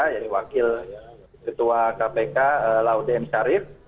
yaitu wakil ketua kpk laudem sharif